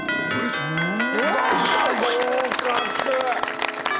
すごい！